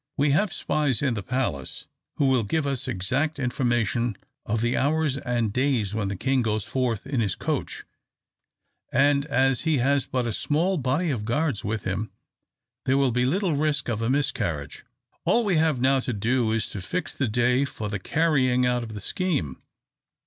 We have spies in the palace who will give us exact information of the hours and days when the king goes forth in his coach; and as he has but a small body of guards with him, there will be little risk of a miscarriage. All we have now to do, is to fix the day for the carrying out of the scheme.